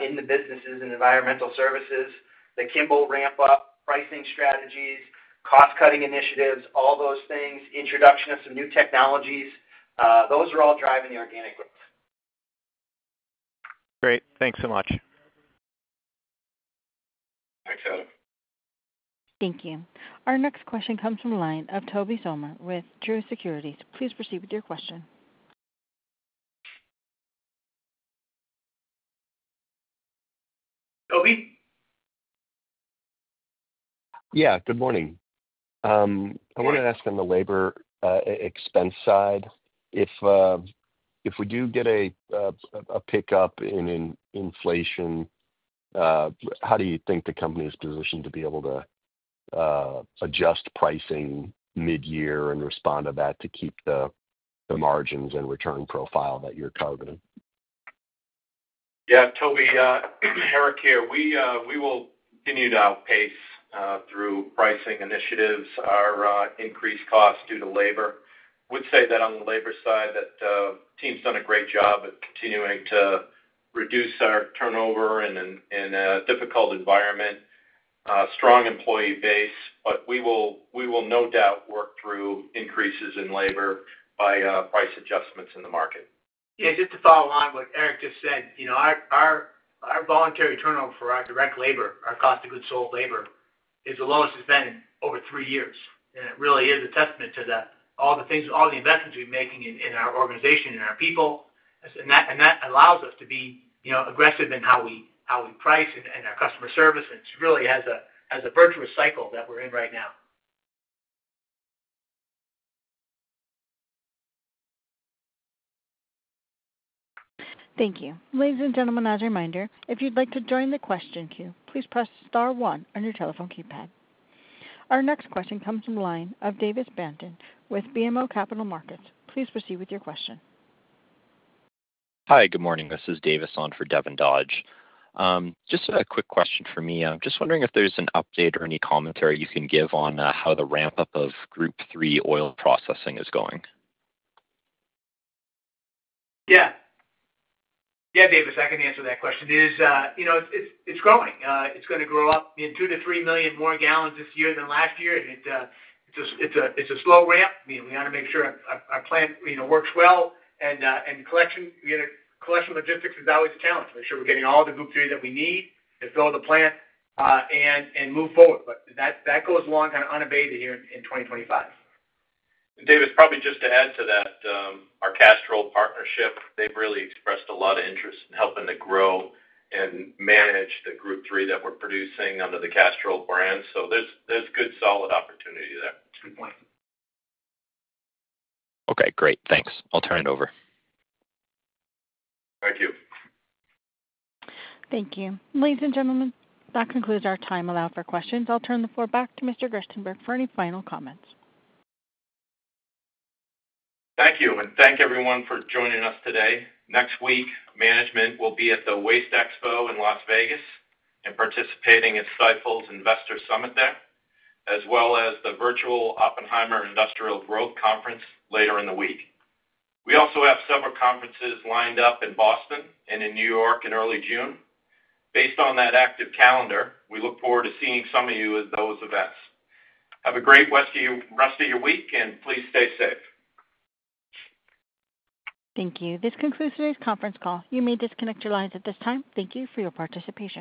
in the businesses in Environmental Services, the Kimball ramp-up, pricing strategies, cost-cutting initiatives, all those things, introduction of some new technologies. Those are all driving the organic growth. Great. Thanks so much. Thanks, Adam. Thank you. Our next question comes from the line of Tobey Sommer with Truist Securities. Please proceed with your question. Tobey? Yeah. Good morning. I wanted to ask on the labor expense side, if we do get a pickup in inflation, how do you think the company's positioned to be able to adjust pricing mid-year and respond to that to keep the margins and return profile that you're targeting? Yeah. Tobey, Eric here. We will continue to outpace, through pricing initiatives, our increased costs due to labor. I would say that on the labor side, the team's done a great job at continuing to reduce our turnover in a difficult environment, strong employee base. We will no doubt work through increases in labor by price adjustments in the market. Yeah. Just to follow along what Eric just said, you know, our voluntary turnover for our direct labor, our cost of goods sold labor, is the lowest it's been in over three years. It really is a testament to all the things, all the investments we've been making in our organization and our people. That allows us to be, you know, aggressive in how we price and our customer service. It really has a virtuous cycle that we're in right now. Thank you. Ladies and gentlemen, as a reminder, if you'd like to join the question queue, please press star 1 on your telephone keypad. Our next question comes from the line of Davis Baynton with BMO Capital Markets. Please proceed with your question. Hi. Good morning. This is Davis on for Devin Dodge. Just a quick question for me. I'm just wondering if there's an update or any commentary you can give on how the ramp-up of Group 3 oil processing is going. Yeah. Yeah, Davis, I can answer that question. It is, you know, it's, it's growing. It's gonna grow up, you know, two to three million more gallons this year than last year. And it, it's a slow ramp. I mean, we wanna make sure our plant, you know, works well. And, you know, collection logistics is always a challenge. Make sure we're getting all the Group 3 that we need to fill the plant, and move forward. That goes along kind of unabated here in 2025. Davis, probably just to add to that, our Castrol partnership, they've really expressed a lot of interest in helping to grow and manage the Group 3 that we're producing under the Castrol brand. There is good solid opportunity there. Good point. Okay. Great. Thanks. I'll turn it over. Thank you. Thank you. Ladies and gentlemen, that concludes our time allowed for questions. I'll turn the floor back to Mr. Gerstenberg for any final comments. Thank you. Thank everyone for joining us today. Next week, management will be at the WasteExpo in Las Vegas and participating at Stifel's Investor Summit there, as well as the virtual Oppenheimer Industrial Growth Conference later in the week. We also have several conferences lined up in Boston and in New York in early June. Based on that active calendar, we look forward to seeing some of you at those events. Have a great rest of your week. Please stay safe. Thank you. This concludes today's conference call. You may disconnect your lines at this time. Thank you for your participation.